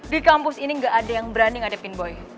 di kampus ini gak ada yang berani ngadepin boy